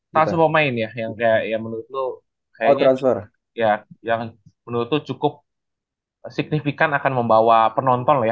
transfer pemain ya yang menurut lu cukup signifikan akan membawa penonton ya